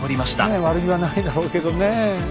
ねえ悪気はないんだろうけどねえ。